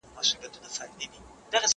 زه پرون د کتابتون لپاره کار وکړل،